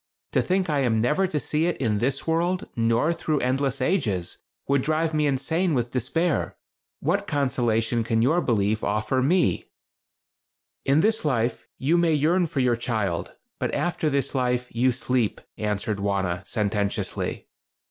To think I am never to see it in this world, nor through endless ages, would drive me insane with despair. What consolation can your belief offer me?" "In this life, you may yearn for your child, but after this life you sleep," answered Wauna, sententiously.